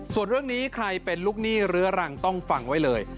ส่วนเรื่องนี้ใครเป็นลูกหนี้เรื้อรังต้องฟังไว้เลย